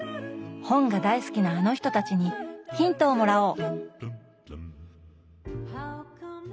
本が大好きなあの人たちにヒントをもらおう！